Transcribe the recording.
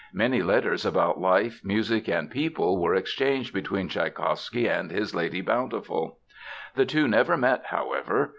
Many letters about life, music, and people were exchanged between Tschaikowsky and his Lady Bountiful. The two never met, however.